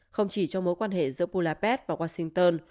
không chỉ trong mối quan hệ giữa buladet và washington